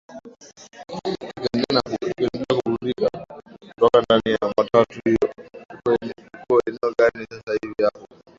tukiendelea kuburudika kutoka ndani ya matatu hiyo uko eneo gani sasa hivi hapo